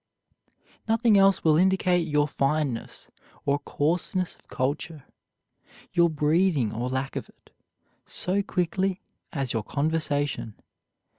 Nothing else will indicate your fineness or coarseness of culture, your breeding or lack of it, so quickly as your conversation.